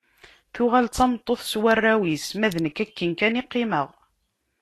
Tuɣal d tameṭṭut s warraw-is, ma d nekk akken kan i qqimeɣ.